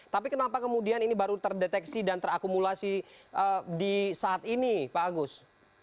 tapi kenapa kemudian ini baru terdeteksi dan terakumulasi di saat ini pak agus